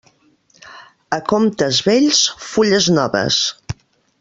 A comptes vells, fulles noves.